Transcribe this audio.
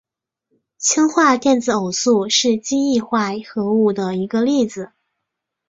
氢化电子偶素是奇异化合物的一个例子。